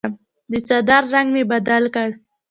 د څادر رنګ مې بدل کړ.